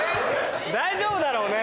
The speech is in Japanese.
大丈夫だろうね？